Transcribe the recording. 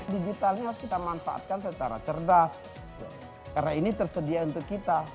digitalnya harus kita manfaatkan secara cerdas karena ini tersedia untuk kita